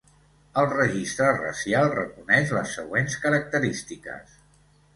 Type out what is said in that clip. El registre racial reconeix les següents característiques.